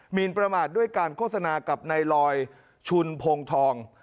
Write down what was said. มีนประมาทด้วยการโฆษณากับนายลอยชุนพงทอง